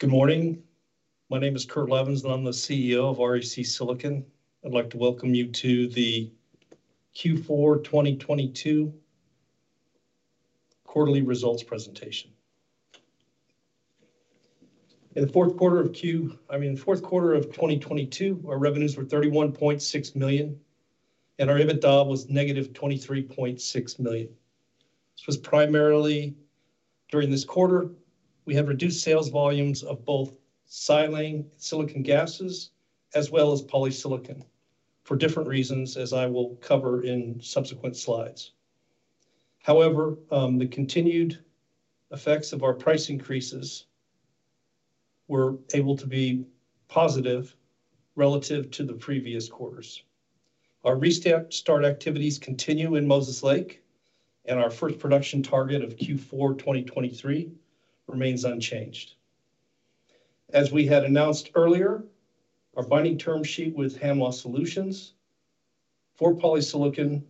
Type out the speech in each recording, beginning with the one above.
Good morning. My name is Kurt Levens and I'm the CEO of REC Silicon. I'd like to welcome you to the Q4, 2022 quarterly results presentation. In the fourth quarter of I mean, fourth quarter of 2022, our revenues were $31.6 million, and our EBITDA was negative $23.6 million. This was primarily during this quarter, we have reduced sales volumes of both silane silicon gases as well as polysilicon for different reasons as I will cover in subsequent slides. The continued effects of our price increases were able to be positive relative to the previous quarters. Our restart activities continue in Moses Lake, and our first production target of Q4, 2023 remains unchanged. As we had announced earlier, our binding term sheet with Hanwha Solutions for polysilicon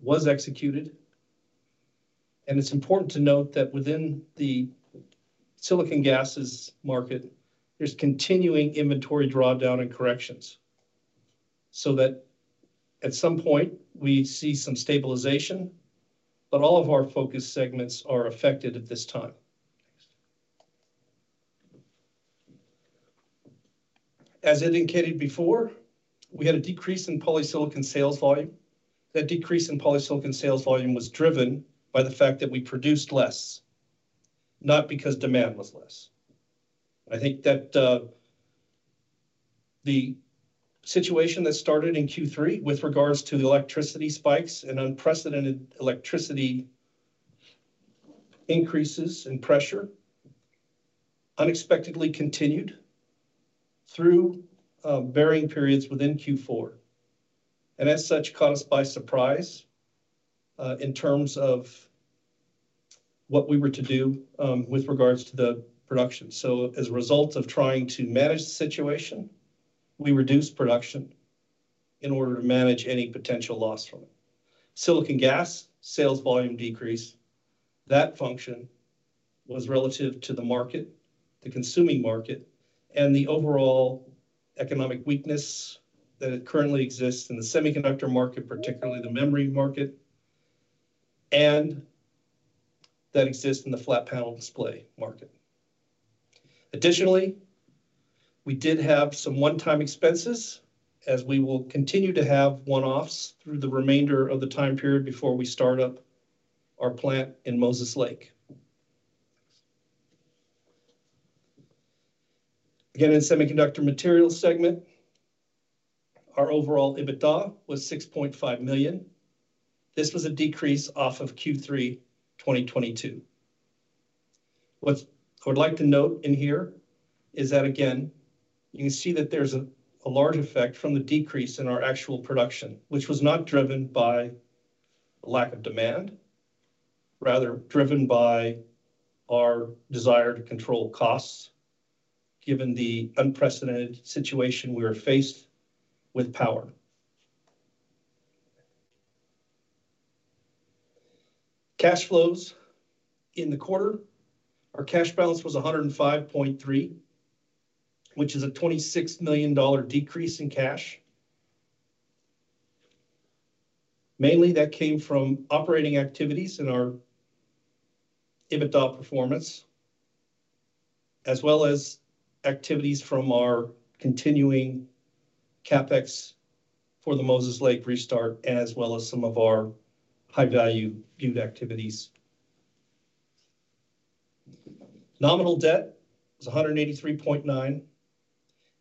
was executed. It's important to note that within the silicon gases market, there's continuing inventory drawdown and corrections, so that at some point we see some stabilization. All of our focus segments are affected at this time. As indicated before, we had a decrease in polysilicon sales volume. That decrease in polysilicon sales volume was driven by the fact that we produced less, not because demand was less. I think that the situation that started in Q3 with regards to the electricity spikes and unprecedented electricity increases and pressure unexpectedly continued through varying periods within Q4. As such, caught us by surprise in terms of what we were to do with regards to the production. As a result of trying to manage the situation, we reduced production in order to manage any potential loss from it. silicon gas sales volume decrease. That function was relative to the market, the consuming market, and the overall economic weakness that currently exists in the semiconductor market, particularly the memory market, and that exists in the flat panel display market. Additionally, we did have some one-time expenses, as we will continue to have one-offs through the remainder of the time period before we start up our plant in Moses Lake. Again, in semiconductor materials segment, our overall EBITDA was $6.5 million. This was a decrease off of Q3 2022. What I would like to note in here is that, again, you can see that there's a large effect from the decrease in our actual production, which was not driven by lack of demand, rather driven by our desire to control costs given the unprecedented situation we are faced with power. Cash flows in the quarter. Our cash balance was $105.3, which is a $26 million decrease in cash. Mainly that came from operating activities in our EBITDA performance, as well as activities from our continuing CapEx for the Moses Lake restart, as well as some of our high value viewed activities. Nominal debt was $183.9,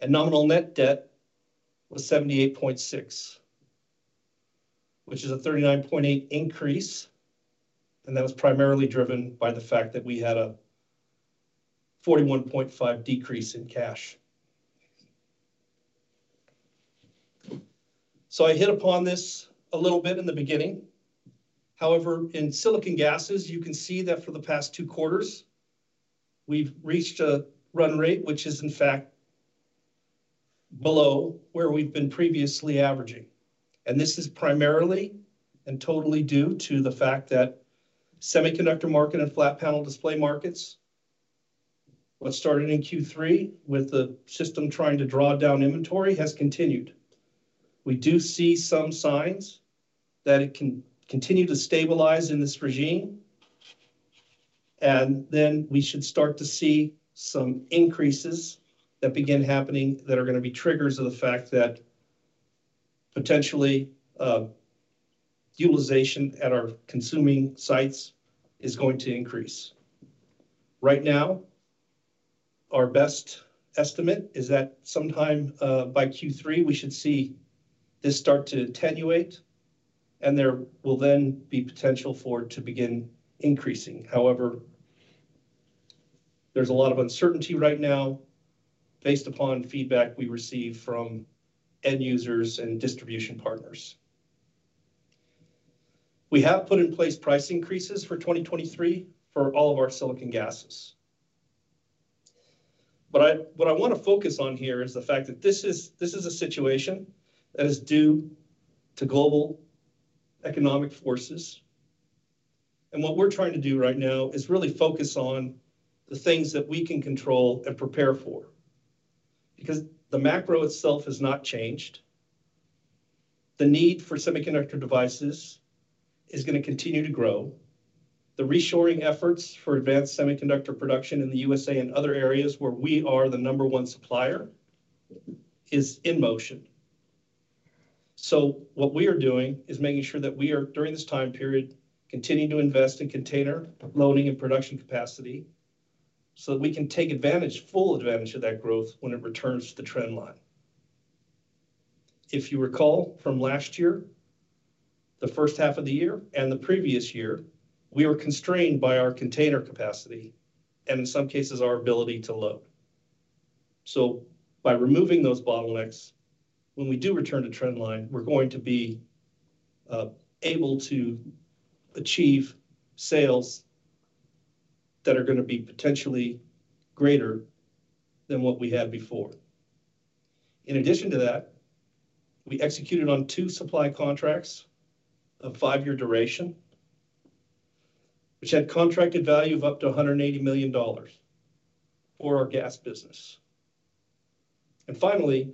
nominal net debt was $78.6, which is a $39.8 increase, that was primarily driven by the fact that we had a $41.5 decrease in cash. I hit upon this a little bit in the beginning. However, in silicon gases, you can see that for the past two quarters, we've reached a run rate, which is in fact below where we've been previously averaging. This is primarily and totally due to the fact that semiconductor market and flat panel display markets, what started in Q3 with the system trying to draw down inventory has continued. We do see some signs that it can continue to stabilize in this regime, and then we should start to see some increases that begin happening that are gonna be triggers of the fact that potentially, utilization at our consuming sites is going to increase. Right now, our best estimate is that sometime, by Q3, we should see this start to attenuate, and there will then be potential for it to begin increasing. There's a lot of uncertainty right now based upon feedback we receive from end users and distribution partners. We have put in place price increases for 2023 for all of our silicon gases. What I want to focus on here is the fact that this is a situation that is due to global economic forces. What we're trying to do right now is really focus on the things that we can control and prepare for. The macro itself has not changed. The need for semiconductor devices is going to continue to grow. The reshoring efforts for advanced semiconductor production in the USA and other areas where we are the number one supplier is in motion. What we are doing is making sure that we are, during this time period, continuing to invest in container loading and production capacity, so that we can take advantage, full advantage of that growth when it returns to the trend line. If you recall from last year, the first half of the year and the previous year, we were constrained by our container capacity and in some cases, our ability to load. By removing those bottlenecks, when we do return to trend line, we're going to be able to achieve sales that are going to be potentially greater than what we had before. In addition to that, we executed on 2 supply contracts of 5-year duration, which had contracted value of up to $180 million for our gas business. Finally,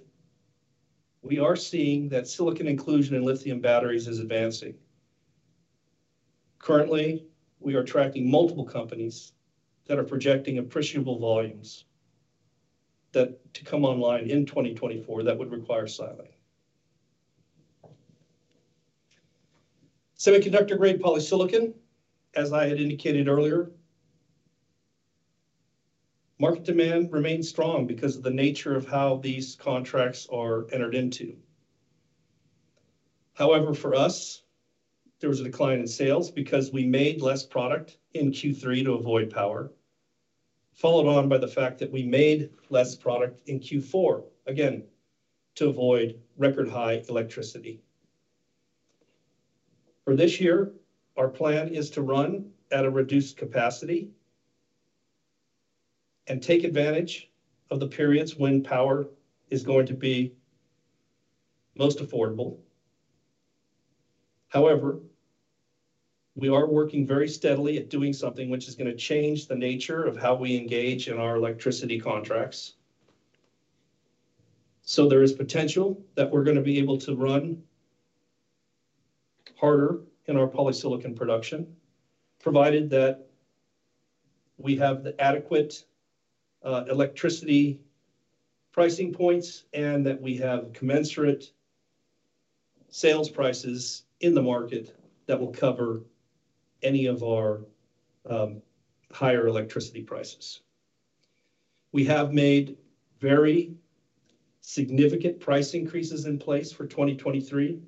we are seeing that silicon inclusion in lithium batteries is advancing. Currently, we are tracking multiple companies that are projecting appreciable volumes that to come online in 2024, that would require silicon. Semiconductor-grade polysilicon, as I had indicated earlier, market demand remains strong because of the nature of how these contracts are entered into. For us, there was a decline in sales because we made less product in Q3 to avoid power, followed on by the fact that we made less product in Q4, again, to avoid record high electricity. For this year, our plan is to run at a reduced capacity and take advantage of the periods when power is going to be most affordable. We are working very steadily at doing something which is gonna change the nature of how we engage in our electricity contracts. There is potential that we're gonna be able to run harder in our polysilicon production, provided that we have the adequate electricity pricing points, and that we have commensurate sales prices in the market that will cover any of our higher electricity prices. We have made very significant price increases in place for 2023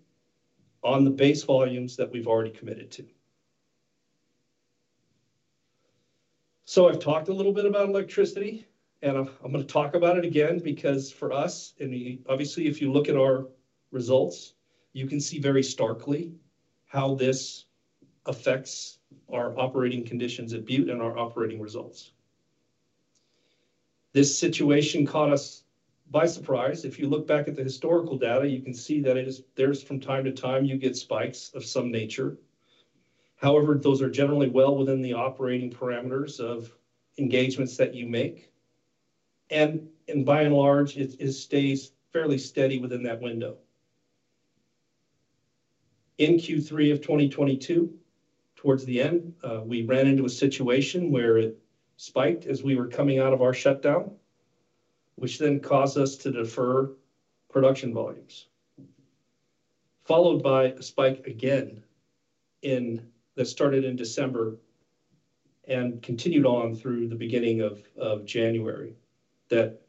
on the base volumes that we've already committed to. I've talked a little bit about electricity, and I'm gonna talk about it again because for us, obviously, if you look at our results, you can see very starkly how this affects our operating conditions at Butte and our operating results. This situation caught us by surprise. If you look back at the historical data, you can see that there's from time to time, you get spikes of some nature. However, those are generally well within the operating parameters of engagements that you make. By and large, it stays fairly steady within that window. In Q3 of 2022, towards the end, we ran into a situation where it spiked as we were coming out of our shutdown, which then caused us to defer production volumes. Followed by a spike again that started in December and continued on through the beginning of January. That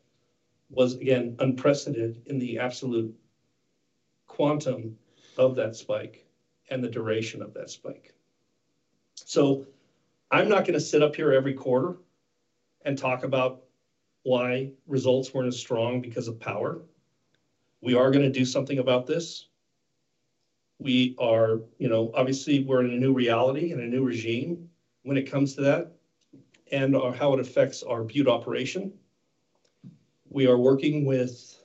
was, again, unprecedented in the absolute quantum of that spike and the duration of that spike. I'm not gonna sit up here every quarter and talk about why results weren't as strong because of power. We are gonna do something about this. We are, you know, obviously we're in a new reality and a new regime when it comes to that and, or how it affects our Butte operation. We are working with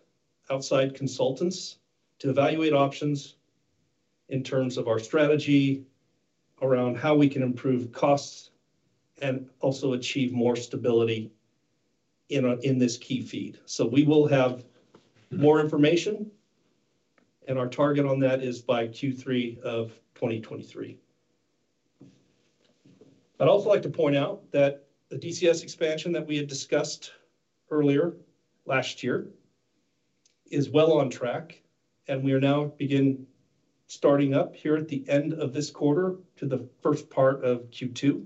outside consultants to evaluate options in terms of our strategy around how we can improve costs and also achieve more stability in a, in this key feed. We will have more information, and our target on that is by Q3 of 2023. I'd also like to point out that the DCS expansion that we had discussed earlier last year is well on track, and we are now starting up here at the end of this quarter to the first part of Q2.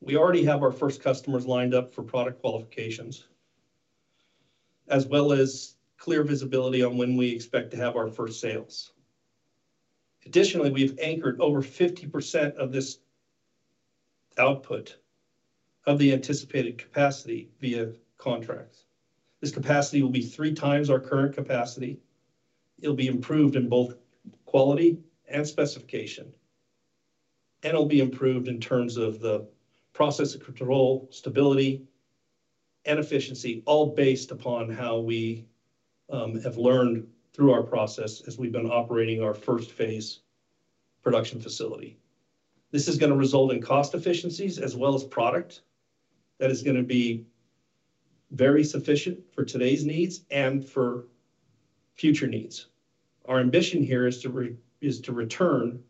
We already have our first customers lined up for product qualifications, as well as clear visibility on when we expect to have our first sales. We've anchored over 50% of this output of the anticipated capacity via contracts. This capacity will be 3 times our current capacity. It'll be improved in both quality and specification. It'll be improved in terms of the process control, stability and efficiency, all based upon how we have learned through our process as we've been operating our first-phase production facility. This is gonna result in cost efficiencies as well as product that is gonna be very sufficient for today's needs and for future needs. Our ambition here is to return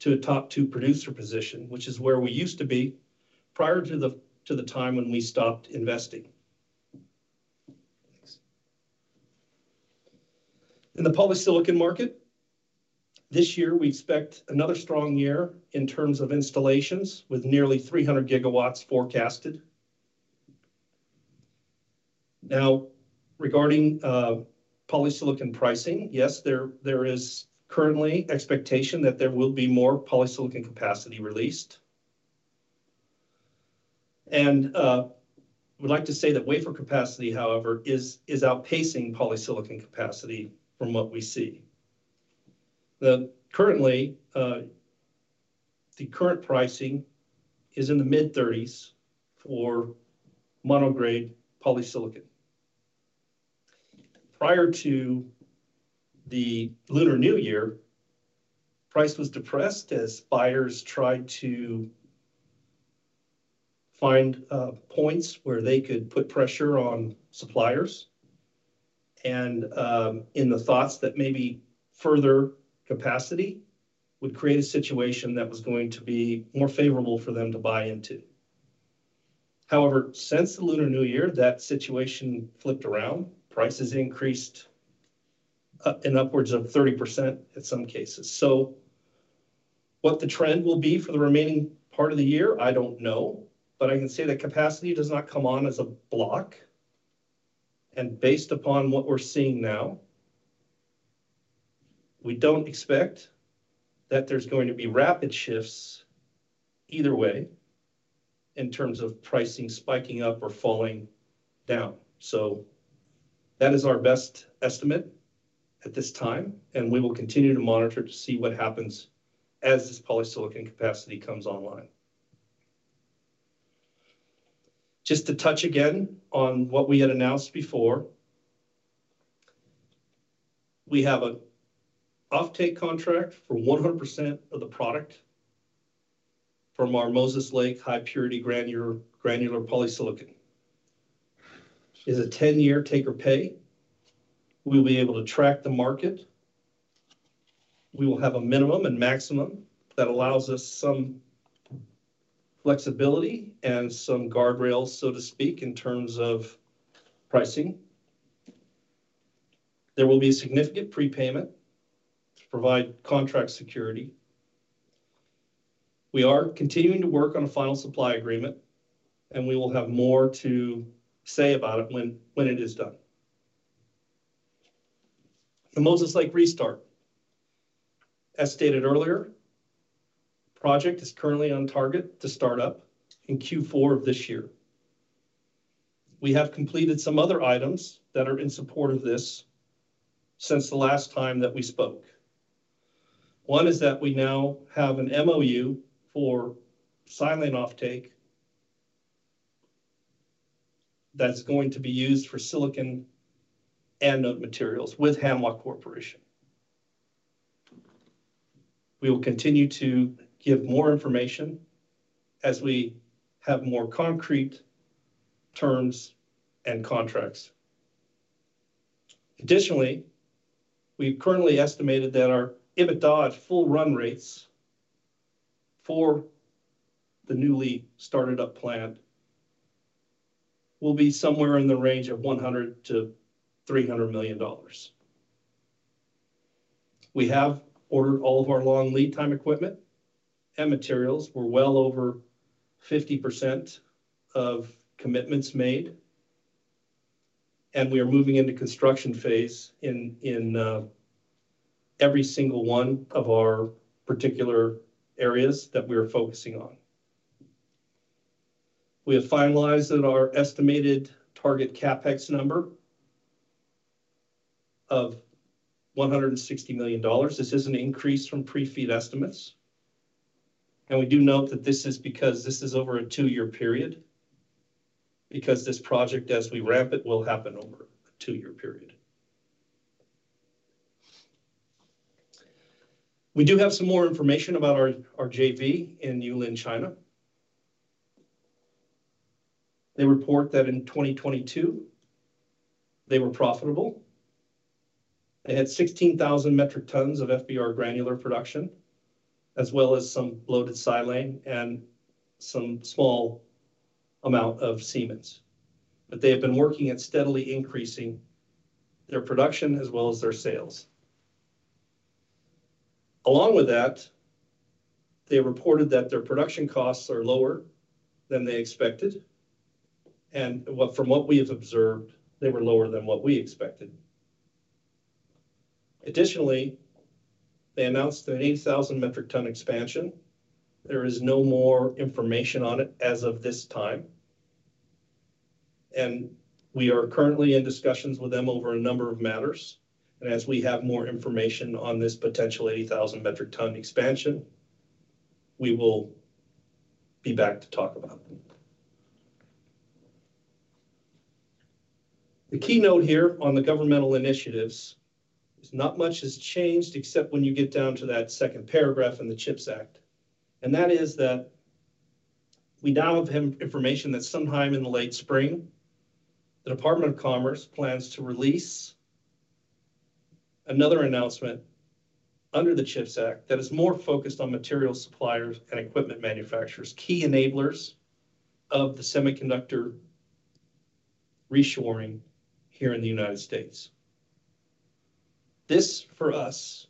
to a top two producer position, which is where we used to be prior to the time when we stopped investing. In the polysilicon market, this year we expect another strong year in terms of installations, with nearly 300 gigawatts forecasted. Now, regarding polysilicon pricing, yes, there is currently expectation that there will be more polysilicon capacity released. We'd like to say that wafer capacity, however, is outpacing polysilicon capacity from what we see. Currently, the current pricing is in the mid-$30s for mono-grade polysilicon. Prior to the Lunar New Year, price was depressed as buyers tried to find points where they could put pressure on suppliers and in the thoughts that maybe further capacity would create a situation that was going to be more favorable for them to buy into. However, since the Lunar New Year, that situation flipped around. Prices increased up, in upwards of 30% in some cases. What the trend will be for the remaining part of the year, I don't know. I can say that capacity does not come on as a block, and based upon what we're seeing now, we don't expect that there's going to be rapid shifts either way in terms of pricing spiking up or falling down. That is our best estimate at this time, and we will continue to monitor to see what happens as this polysilicon capacity comes online. To touch again on what we had announced before, we have a offtake contract for 100% of the product from our Moses Lake high-purity granular polysilicon. It's a 10-year take-or-pay. We'll be able to track the market. We will have a minimum and maximum that allows us some flexibility and some guardrails, so to speak, in terms of pricing. There will be significant prepayment to provide contract security. We are continuing to work on a final supply agreement, and we will have more to say about it when it is done. The Moses Lake restart. As stated earlier, project is currently on target to start up in Q4 of this year. We have completed some other items that are in support of this since the last time that we spoke. One is that we now have an MoU for silane offtake that's going to be used for silicon anode materials with Hanwha Corporation. We will continue to give more information as we have more concrete terms and contracts. Additionally, we've currently estimated that our EBITDA at full run rates for the newly started up plant will be somewhere in the range of $100 million-$300 million. We have ordered all of our long lead time equipment and materials. We're well over 50% of commitments made, and we are moving into construction phase in every single one of our particular areas that we are focusing on. We have finalized that our estimated target CapEx number of $160 million. This is an increase from Pre-FEED estimates. We do note that this is because this is over a two-year period. This project, as we ramp it, will happen over a two-year period. We do have some more information about our JV in Yulin, China. They report that in 2022, they were profitable. They had 16,000 metric tons of FBR granular production, as well as some loaded silane and some small amount of Siemens. They have been working at steadily increasing their production as well as their sales. Along with that, they reported that their production costs are lower than they expected, and from what we have observed, they were lower than what we expected. Additionally, they announced an 80,000 metric ton expansion. There is no more information on it as of this time. We are currently in discussions with them over a number of matters. As we have more information on this potential 80,000 metric ton expansion, we will be back to talk about them. The key note here on the governmental initiatives is not much has changed except when you get down to that second paragraph in the CHIPS Act, and that is that we now have information that sometime in the late spring, the Department of Commerce plans to release another announcement under the CHIPS Act that is more focused on material suppliers and equipment manufacturers, key enablers of the semiconductor reshoring here in the United States. This, for us,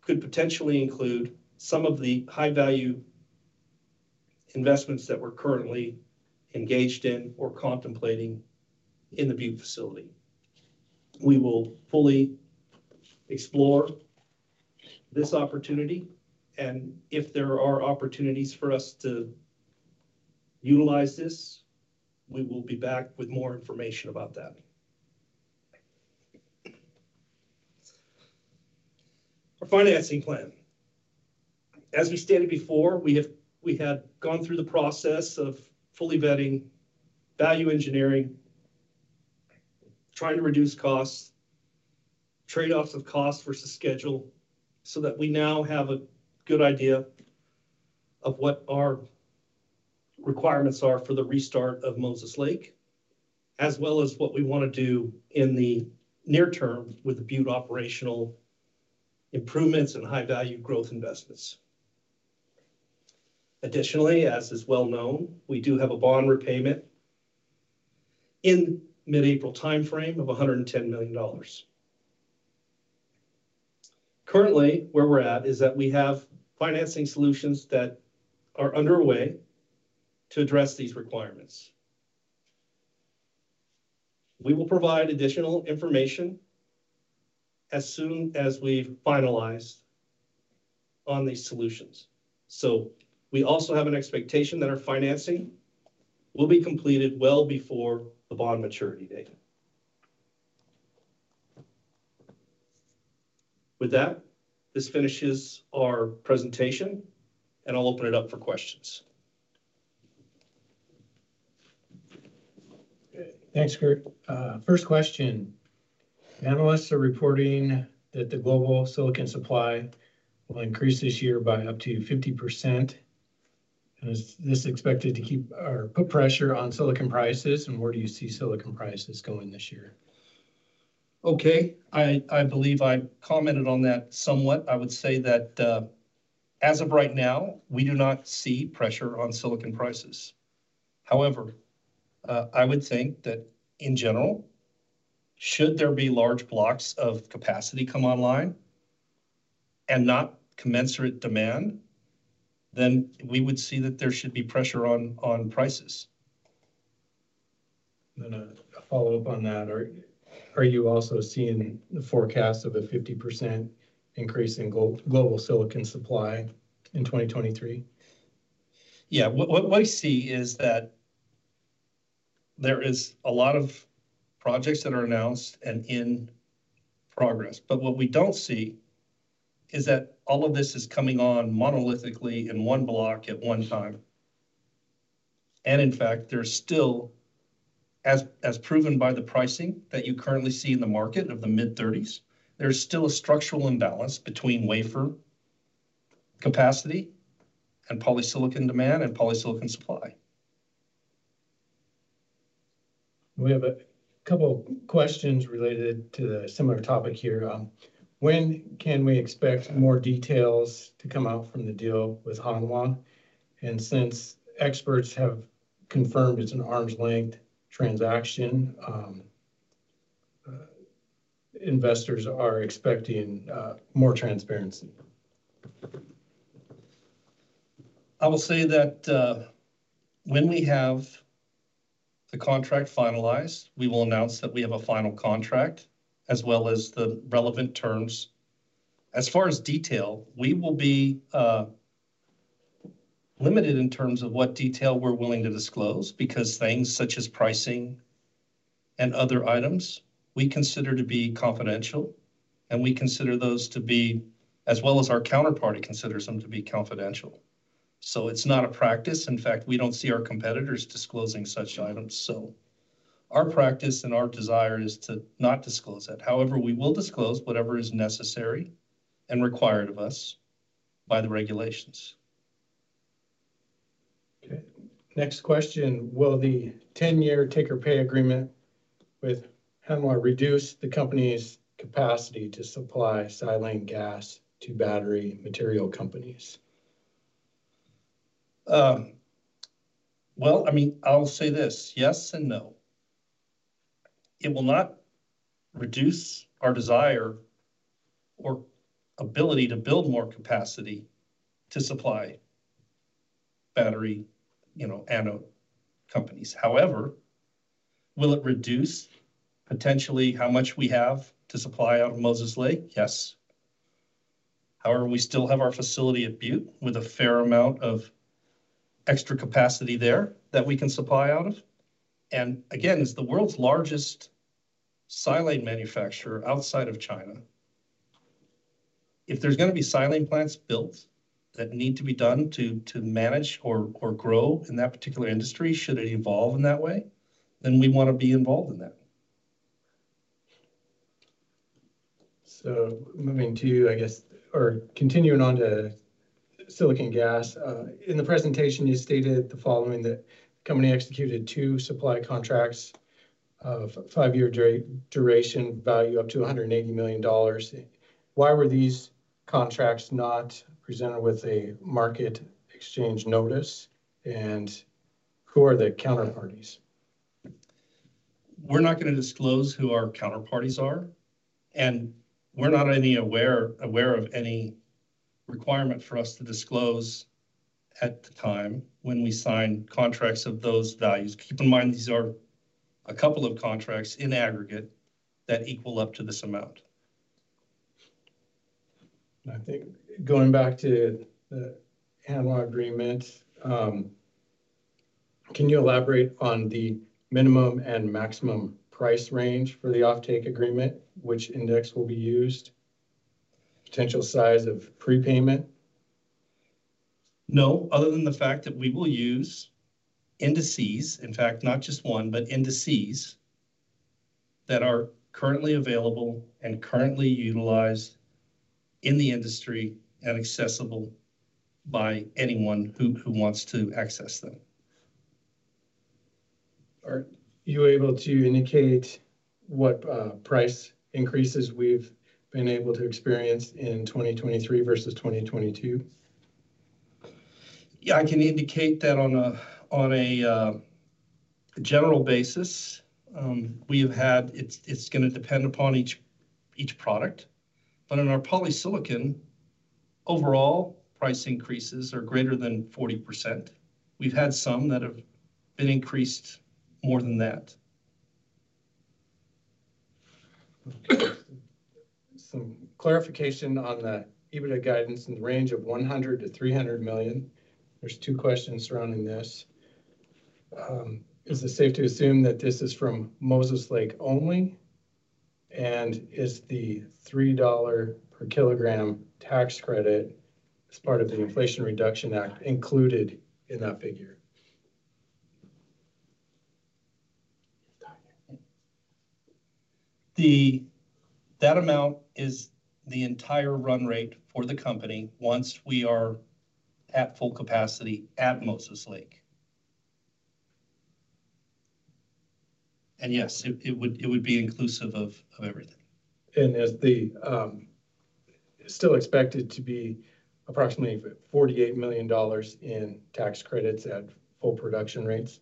could potentially include some of the high-value investments that we're currently engaged in or contemplating in the Butte facility. We will fully explore this opportunity, and if there are opportunities for us to utilize this, we will be back with more information about that. Our financing plan. As we stated before, we have gone through the process of fully vetting value engineering, trying to reduce costs, trade-offs of cost versus schedule so that we now have a good idea of what our requirements are for the restart of Moses Lake, as well as what we wanna do in the near term with the Butte operational improvements and high-value growth investments. Additionally, as is well-known, we do have a bond repayment in mid-April timeframe of $110 million. Currently, where we're at is that we have financing solutions that are underway to address these requirements. We will provide additional information as soon as we've finalized on these solutions. We also have an expectation that our financing will be completed well before the bond maturity date. With that, this finishes our presentation, I'll open it up for questions. Thanks, Kurt. First question, analysts are reporting that the global silicon supply will increase this year by up to 50%. Is this expected to keep or put pressure on silicon prices, and where do you see silicon prices going this year? Okay. I believe I commented on that somewhat. I would say that as of right now, we do not see pressure on silicon prices. However, I would think that, in general, should there be large blocks of capacity come online and not commensurate demand, then we would see that there should be pressure on prices. A follow-up on that. Are you also seeing the forecast of a 50% increase in global silicon supply in 2023? Yeah. What, what we see is that there is a lot of projects that are announced and in progress. What we don't see is that all of this is coming on monolithically in one block at one time. In fact, there's still, as proven by the pricing that you currently see in the market of the mid-thirties, there's still a structural imbalance between wafer capacity and polysilicon demand and polysilicon supply. We have a couple of questions related to the similar topic here. When can we expect more details to come out from the deal with Hanwha? Since experts have confirmed it's an arm's length transaction, investors are expecting more transparency. I will say that when we have the contract finalized, we will announce that we have a final contract as well as the relevant terms. As far as detail, we will be limited in terms of what detail we're willing to disclose because things such as pricing and other items we consider to be confidential, and we consider those to be, as well as our counterparty considers them to be confidential. It's not a practice. In fact, we don't see our competitors disclosing such items. Our practice and our desire is to not disclose that. However, we will disclose whatever is necessary and required of us by the regulations. Next question, will the 10-year take-or-pay agreement with Hanwha reduce the company's capacity to supply silane gas to battery material companies? Well, I mean, I'll say this. Yes and no. It will not reduce our desire or ability to build more capacity to supply battery, you know, anode companies. However, will it reduce potentially how much we have to supply out of Moses Lake? Yes. However, we still have our facility at Butte with a fair amount of extra capacity there that we can supply out of. Again, as the world's largest silane manufacturer outside of China, if there's gonna be silane plants built that need to be done to manage or grow in that particular industry, should it evolve in that way, then we wanna be involved in that. Moving to, I guess... Continuing on to silicon gas. In the presentation, you stated the following, that the company executed two supply contracts of five-year duration, value up to $180 million. Why were these contracts not presented with a market exchange notice, and who are the counterparties? We're not gonna disclose who our counterparties are, and we're not any aware of any requirement for us to disclose at the time when we sign contracts of those values. Keep in mind, these are a couple of contracts in aggregate that equal up to this amount. I think going back to the Hanwha agreement, can you elaborate on the minimum and maximum price range for the offtake agreement? Which index will be used? Potential size of prepayment? Other than the fact that we will use indices, in fact, not just one, but indices that are currently available and currently utilized in the industry and accessible by anyone who wants to access them. Are you able to indicate what price increases we've been able to experience in 2023 versus 2022? Yeah, I can indicate that on a, on a general basis. It's gonna depend upon each product. In our polysilicon, overall price increases are greater than 40%. We've had some that have been increased more than that. Some clarification on the EBITDA guidance in the range of $100 million-$300 million. There's two questions surrounding this: Is it safe to assume that this is from Moses Lake only? Is the $3 per kilogram tax credit as part of the Inflation Reduction Act included in that figure? That amount is the entire run rate for the company once we are at full capacity at Moses Lake. Yes, it would be inclusive of everything. Is the still expected to be approximately $48 million in tax credits at full production rates?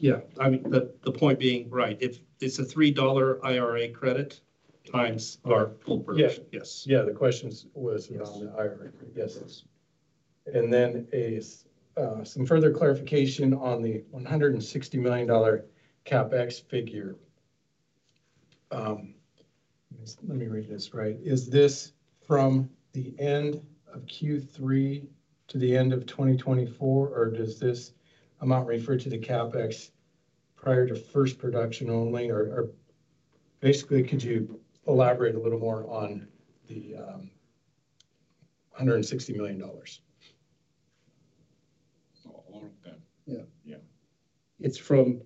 Yeah. I mean, the point being, right, if it's a $3 IRA credit times our full production. Yeah. Yes. Yeah, the questions was around the IRA credit. Yes. Yes. Some further clarification on the $160 million CapEx figure. Let me read this right. Is this from the end of Q3 to the end of 2024, or does this amount refer to the CapEx prior to first production only? Basically, could you elaborate a little more on the $160 million? All of that. Yeah. Yeah. It's from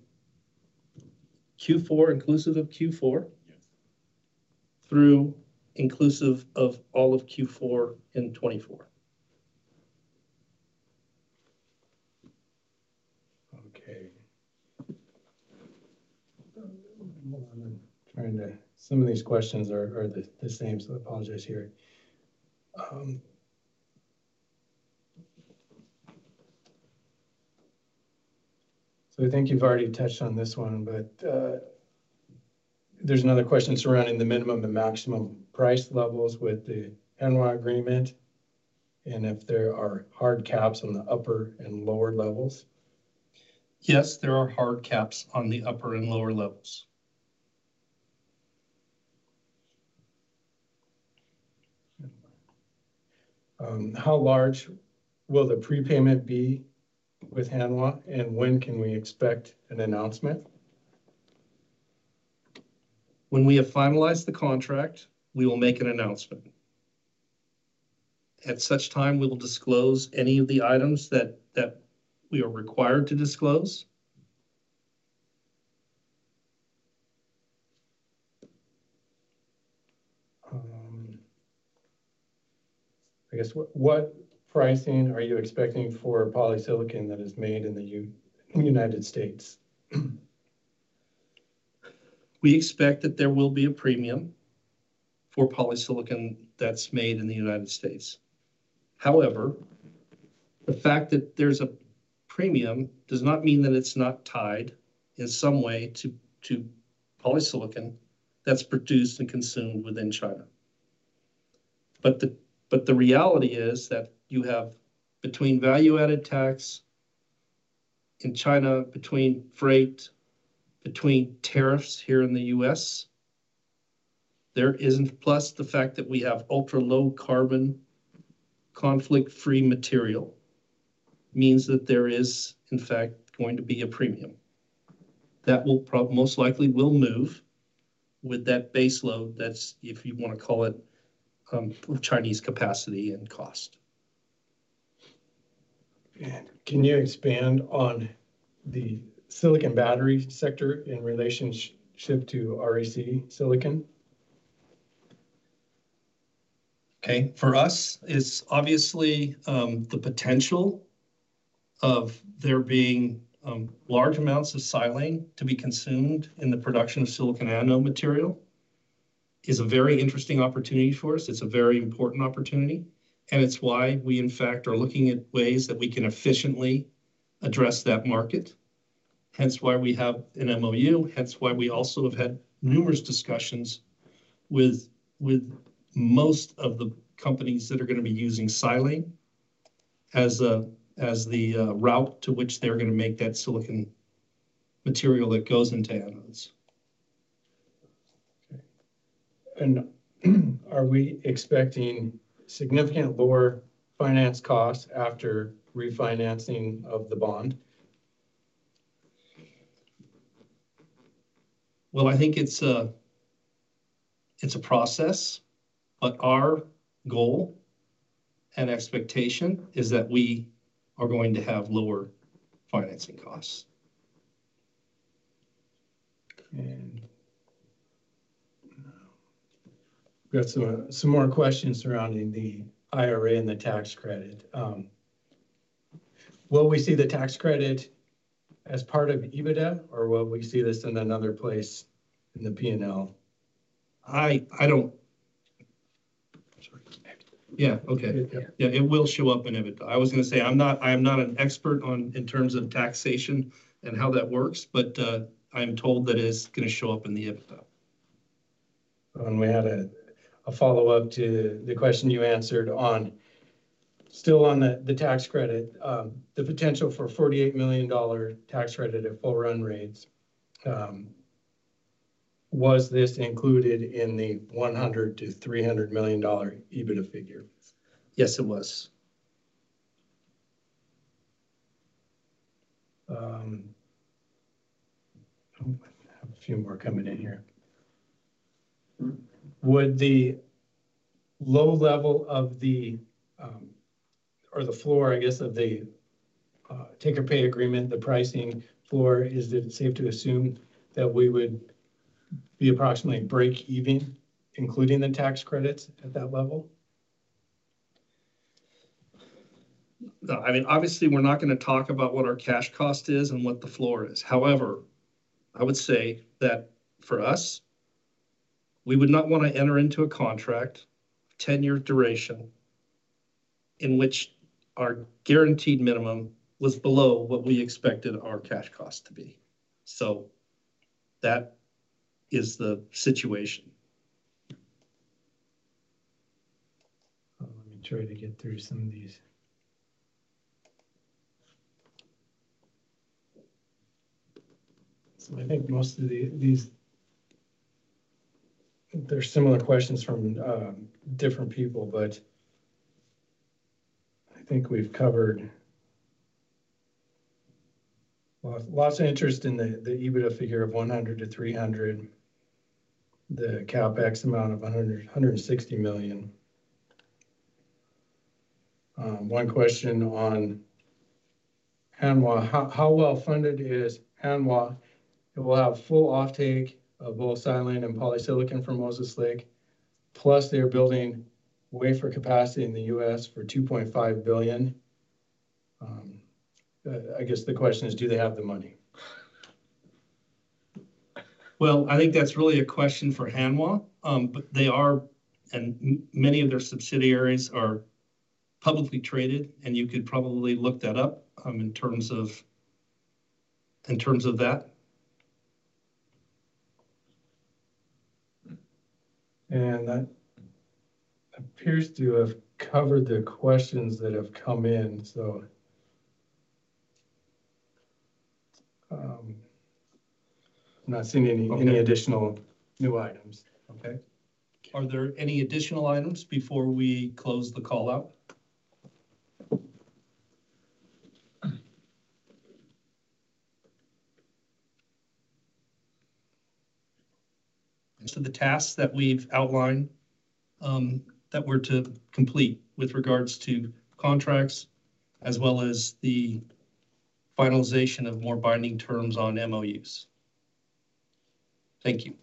Q4, inclusive of Q4. Yes. Through inclusive of all of Q4 in 2024. Okay. Hold on. Some of these questions are the same, so I apologize here. I think you've already touched on this one, but there's another question surrounding the minimum and maximum price levels with the Hanwha agreement and if there are hard caps on the upper and lower levels. Yes, there are hard caps on the upper and lower levels. How large will the prepayment be with Hanwha, and when can we expect an announcement? When we have finalized the contract, we will make an announcement. At such time, we will disclose any of the items that we are required to disclose. I guess what pricing are you expecting for polysilicon that is made in the United States? We expect that there will be a premium for polysilicon that's made in the United States. However, the fact that there's a premium does not mean that it's not tied in some way to polysilicon that's produced and consumed within China. The reality is that you have between value-added tax in China between freight, between tariffs here in the U.S. Plus the fact that we have ultra-low carbon conflict-free material means that there is, in fact, going to be a premium. That will most likely will move with that base load, that's if you wanna call it, Chinese capacity and cost. Can you expand on the silicon battery sector in relationship to REC Silicon? Okay. For us, it's obviously, the potential of there being large amounts of silane to be consumed in the production of silicon anode material is a very interesting opportunity for us. It's a very important opportunity, and it's why we, in fact, are looking at ways that we can efficiently address that market, hence why we have an MoU. Hence why we also have had numerous discussions with most of the companies that are gonna be using silane as the route to which they're gonna make that silicon material that goes into anodes. Okay. Are we expecting significant lower finance costs after refinancing of the bond? Well, I think it's a process. Our goal and expectation is that we are going to have lower financing costs. We've got some more questions surrounding the IRA and the tax credit. Will we see the tax credit as part of EBITDA, or will we see this in another place in the P&L? I don't... Sorry. Yeah, okay. Yeah. Yeah, it will show up in EBITDA. I was gonna say, I am not an expert on in terms of taxation and how that works, but I'm told that it's gonna show up in the EBITDA. We had a follow-up to the question you answered on, still on the tax credit. The potential for a $48 million tax credit at full run rates, was this included in the $100 million-$300 million EBITDA figure? Yes, it was. I have a few more coming in here. Would the low level of the, or the floor, I guess, of the take-or-pay agreement, the pricing floor, is it safe to assume that we would be approximately breakeven, including the tax credits at that level? No. I mean, obviously, we're not gonna talk about what our cash cost is and what the floor is. However, I would say that for us, we would not wanna enter into a contract, 10-year duration, in which our guaranteed minimum was below what we expected our cash cost to be. That is the situation. Let me try to get through some of these. I think most of these. They're similar questions from different people, but I think we've covered. Lots of interest in the EBITDA figure of $100-$300, the CapEx amount of $160 million. One question on Hanwha. How well funded is Hanwha? It will have full offtake of both silane and polysilicon from Moses Lake, plus they are building wafer capacity in the U.S. for $2.5 billion. I guess the question is, do they have the money? Well, I think that's really a question for Hanwha. They are, and many of their subsidiaries are publicly traded, and you could probably look that up, in terms of, in terms of that. That appears to have covered the questions that have come in. I'm not seeing. Okay any additional new items. Okay. Are there any additional items before we close the call out? The tasks that we've outlined, that we're to complete with regards to contracts as well as the finalization of more binding terms on MoUs. Thank you.